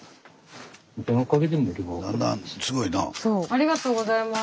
ありがとうございます。